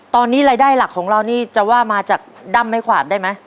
ตอนนี้รายได้หลักของเรานี่จะว่ามาจากด้ำไม่ขวาดได้ไหม